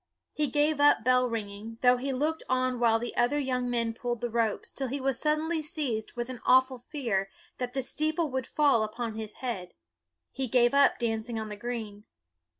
He gave up bell ringing, though he looked on while the other young men pulled the ropes, till he was suddenly seized with an awful fear that the steeple would fall upon his head. He gave up dancing on the green.